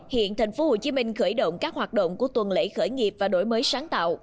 hiện tp hcm khởi động các hoạt động của tuần lễ khởi nghiệp và đổi mới sáng tạo